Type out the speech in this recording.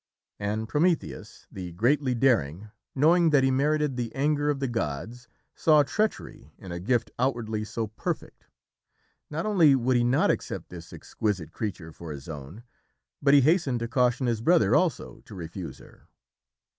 And Prometheus, the greatly daring, knowing that he merited the anger of the gods, saw treachery in a gift outwardly so perfect. Not only would he not accept this exquisite creature for his own, but he hastened to caution his brother also to refuse her.